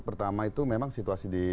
pertama itu memang situasi di